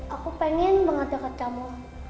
aku pengen banget dekat kamu